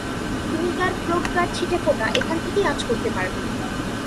তুমি তার প্রজ্ঞার ছিটেফোঁটা এখান থেকেই আঁচ করতে পারবে।